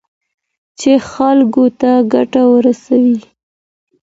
چي خلګو ته ګټه ورسوي.